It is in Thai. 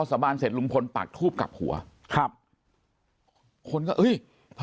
เสียชีวิต